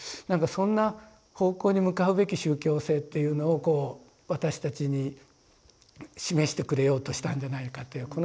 なんかそんな方向に向かうべき宗教性っていうのをこう私たちに示してくれようとしたんじゃないかという。